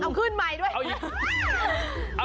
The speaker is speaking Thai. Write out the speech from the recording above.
เอาขึ้นใหม่ด้วย